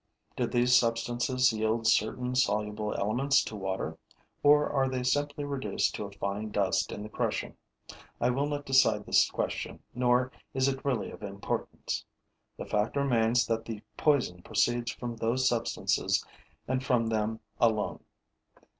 Do these substances yield certain soluble elements to water? Or are they simply reduced to a fine dust in the crushing? I will not decide this question, nor is it really of importance. The fact remains that the poison proceeds from those substances and from them alone.